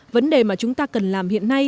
vấn đề mà chúng ta cần làm hiện nay